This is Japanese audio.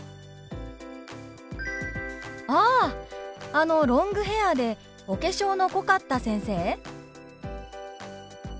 「ああのロングヘアーでお化粧の濃かった先生？」。